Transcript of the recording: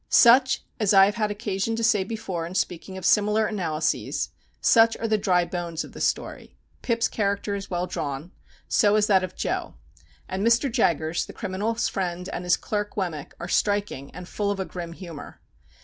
Such, as I have had occasion to say before in speaking of similar analyses, such are the dry bones of the story. Pip's character is well drawn. So is that of Joe. And Mr. Jaggers, the criminal's friend, and his clerk, Wemmick, are striking and full of a grim humour.